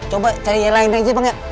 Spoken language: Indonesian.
coba cari yang lain aja bang